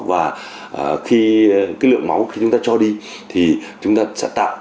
và khi cái lượng máu khi chúng ta cho đi thì chúng ta sẽ tạo